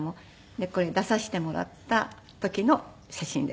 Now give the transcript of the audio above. でこれ出させてもらった時の写真です。